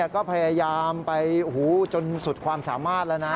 ก็พยายามไปจนสุดความสามารถแล้วนะ